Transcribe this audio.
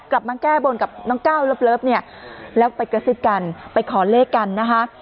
มาแก้บนกับน้องก้าวเลิฟเนี่ยแล้วไปกระซิบกันไปขอเลขกันนะคะ